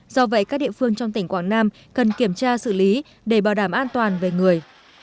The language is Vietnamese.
do vậy các địa phương trong tỉnh quảng nam cần kiểm tra xử lý để bảo đảm an toàn về người